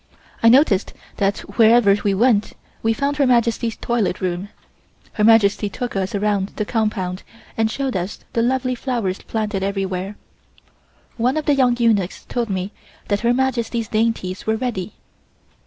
I noticed that wherever we went we found Her Majesty's toilet room. Her Majesty took us around the compound and showed us the lovely flowers planted everywhere. One of the young eunuchs told me that Her Majesty's dainties were ready.